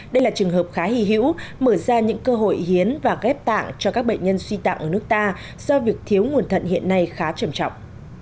đây là trường hợp khá hì hữu mở ra những cơ hội hiến và ghép tạng cho các bệnh nhân suy tạng ở nước ta do việc thiếu nguồn thận hiện nay khá trầm trọng